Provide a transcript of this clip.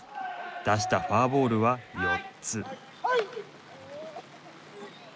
出したフォアボールは４つ。